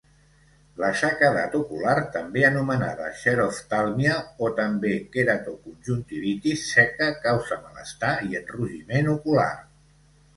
La sequedat ocular també anomenada xeroftàlmia o també queratoconjuntivitis seca causa malestar i enrogiment ocular.